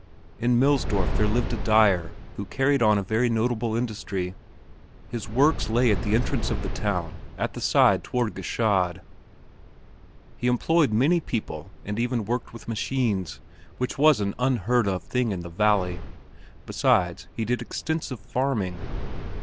In Millsdorf there lived a dyer who carried on a very notable industry. His works lay right at the entrance of the town at the side toward Gschaid. He employed many people and even worked with machines, which was an unheard of thing in the valley. Besides, he did extensive farming.